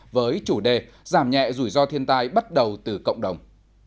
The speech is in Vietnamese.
với chủ đề giảm nhẹ rủi ro thiên tai bắt đầu từ cộng đồng